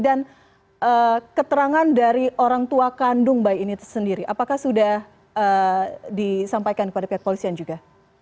dan keterangan dari orang tua kandung bayi ini sendiri apakah sudah disampaikan kepada pihak kepolisian juga